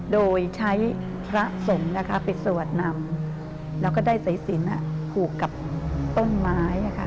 โดยใช้พระสงฆ์ไปสวดนำแล้วก็ได้ศรีศิลป์ผูกกับต้นไม้